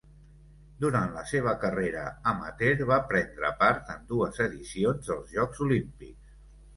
Durant la seva carrera amateur va prendre part en dues edicions dels Jocs Olímpics.